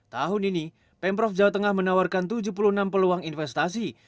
tahun ini pemprov jawa tengah menawarkan tujuh puluh enam peluang investasi